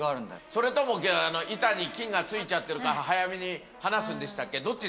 それとも板に菌が付いちゃってるから早めに離すんでしたっけ？